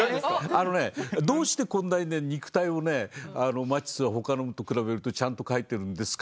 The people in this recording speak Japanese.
あのねどうしてこんなにね肉体をねマティスは他のと比べるとちゃんと描いてるんですか？